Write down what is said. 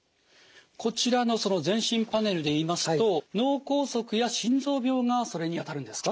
こちらの全身パネルで言いますと脳梗塞や心臓病がそれにあたるんですか？